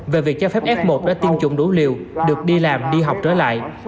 về việc cho phép f một đã tiêm chủng đủ liều được đi làm đi học trở lại